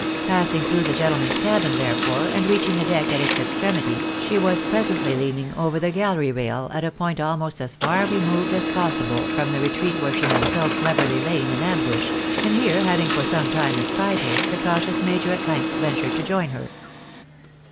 Passing through the gentlemen's cabin, therefore, and reaching the deck at its extremity, she was presently leaning over the gallery THE MAJOR IN A STRAIT. 297 rail at a point almost as far removed as possible from the retreat where she had so cleverly lain in ambush ; and here, having for some time espied her, the cautious major at length ventured to join her.